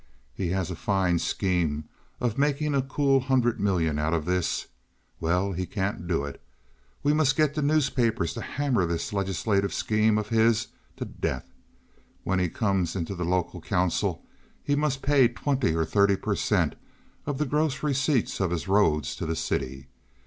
He has a fine scheme of making a cool hundred million out of this. Well, he can't do it. We must get the newspapers to hammer this legislative scheme of his to death. When he comes into the local council he must pay twenty or thirty per cent. of the gross receipts of his roads to the city.